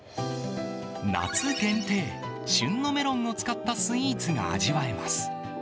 夏限定、旬のメロンを使ったスイーツが味わえます。